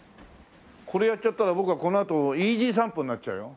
これやっちゃったら僕はこのあとイージー散歩になっちゃうよ？